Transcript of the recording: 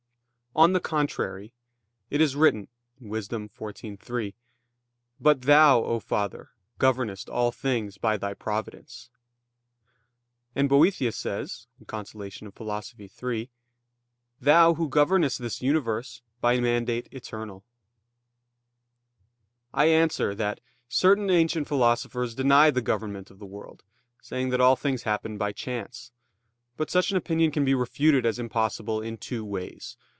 On the contrary, It is written (Wis. 14:3): "But Thou, O Father, governest all things by Thy Providence." And Boethius says (De Consol. iii): "Thou Who governest this universe by mandate eternal." I answer that, Certain ancient philosophers denied the government of the world, saying that all things happened by chance. But such an opinion can be refuted as impossible in two ways.